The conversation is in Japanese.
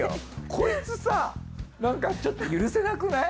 こいつさなんかちょっと許せなくない？